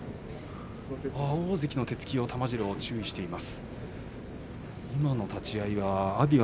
大関の手つきを行司は注意しています。